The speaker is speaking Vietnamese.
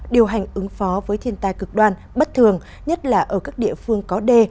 điều hành ứng phó với thiên tai cực đoan bất thường nhất là ở các địa phương có đê